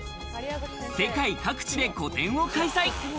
世界各地で個展を開催。